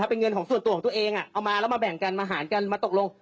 เป็นเงินของส่วนตัวของตัวเองเอามาแล้วมาแบ่งกันมาหารกันมาตกลง